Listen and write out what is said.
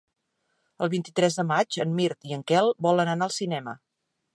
El vint-i-tres de maig en Mirt i en Quel volen anar al cinema.